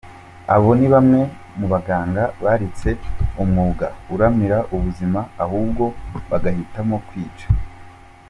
Abo ni bamwe mu baganga baretse umwuga uramira ubuzima ahubwo bagahitamo kwica.